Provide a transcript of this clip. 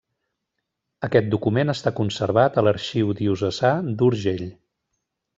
Aquest document està conservat a l'Arxiu Diocesà d'Urgell.